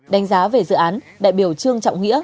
đánh giá về dự án đại biểu trương trọng nghĩa